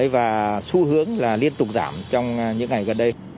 và xu hướng là liên tục giảm trong những ngày gần đây